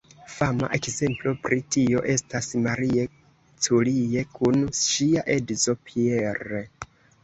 Fama ekzemplo pri tio estas Marie Curie kun ŝia edzo Pierre.